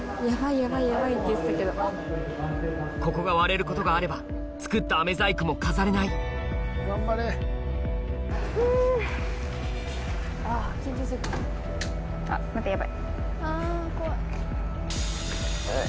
ここが割れることがあれば作った飴細工も飾れない待ってヤバい。